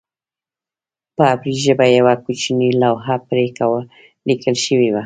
په عبري ژبه یوه کوچنۍ لوحه پرې لیکل شوې وه.